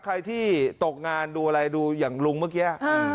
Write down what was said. ใครที่ตกงานดูอะไรดูอย่างลุงเมื่อกี้